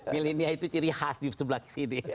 milenia itu ciri khas di sebelah sini